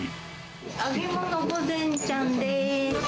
揚げ物御膳ちゃんでーす。